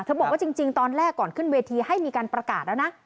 บอกว่าจริงตอนแรกก่อนขึ้นเวทีให้มีการประกาศแล้วนะ